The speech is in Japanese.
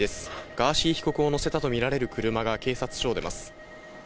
ガーシー被告を乗せたとみられる車が警察署を出ます。